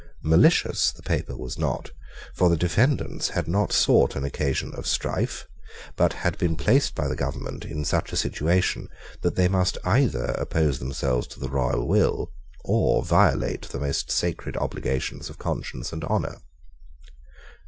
Malicious the paper was not; for the defendants had not sought an occasion of strife, but had been placed by the government in such a situation that they must either oppose themselves to the royal will, or violate the most sacred obligations of conscience and honour.